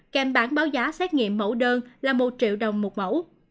kèm bản báo giá xét nghiệm mẫu đơn là một triệu đồng một mẫu